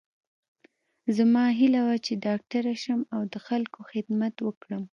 زما هیله وه چې ډاکټره شم او د خلکو خدمت وکړم